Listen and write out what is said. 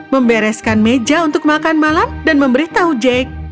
membereskan meja untuk makan malam dan memberitahu jake